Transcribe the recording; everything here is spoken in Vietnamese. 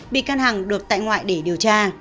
bị can hằng được tại ngoại để điều tra